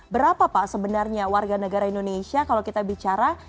berapa pak sebenarnya warga negara indonesia kalau kita bicara